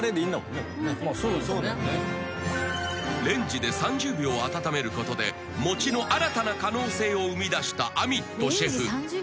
［レンジで３０秒温めることで餅の新たな可能性を生みだしたアミットシェフ］